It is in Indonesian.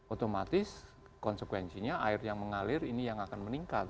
otomatis konsekuensinya air yang mengalir ini yang akan meningkat